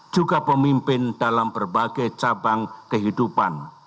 juga pemimpin dalam berbagai cabang kehidupan